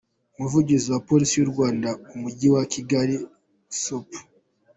Umuvugizi wa Polisi y’u Rwanda mu mujyi wa Kigali, Supt.